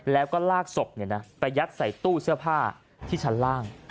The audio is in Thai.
แล้วก็ลากศพไปยัดใส่ตู้เสื้อผ้าที่ชั้นล่าง